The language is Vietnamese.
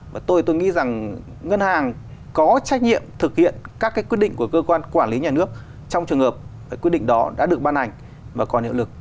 và tôi nghĩ rằng ngân hàng có trách nhiệm thực hiện các cái quyết định của cơ quan quản lý nhà nước trong trường hợp quyết định đó đã được ban hành mà còn hiệu lực